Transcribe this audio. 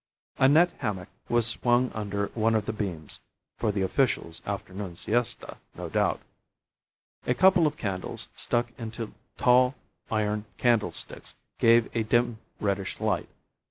A net hammock was swung under one of the beams for the official's afternoon siesta, no doubt. A couple of candles stuck into tall iron candlesticks gave a dim reddish light.